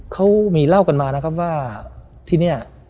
เขามีเล่ากันมานะครับว่าที่นี่